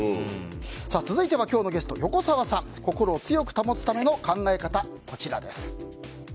続いて、今日のゲスト横澤さんの心を強く保つための考え方です。